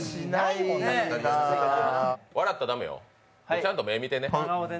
ちゃんと目をみてね。